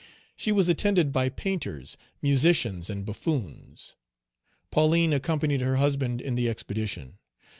She was attended by painters, musicians, and buffoons. Pauline accompanied her husband in the expedition.